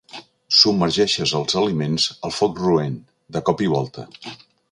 Submergeixes els aliments al foc roent, de cop i volta.